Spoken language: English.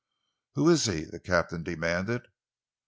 "Who is he?" the captain demanded.